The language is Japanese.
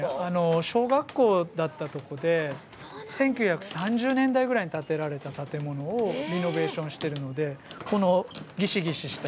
小学校だったとこで１９３０年代ぐらいに建てられた建物をリノベーションしてるのでこのギシギシした床も。